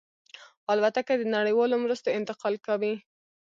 الوتکه د نړیوالو مرستو انتقال کوي.